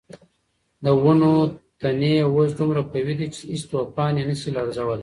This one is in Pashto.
د ونو تنې اوس دومره قوي دي چې هیڅ طوفان یې نه شي لړزولی.